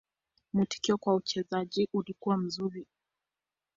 Mwitikio kwa uchezaji ulikuwa mzuri.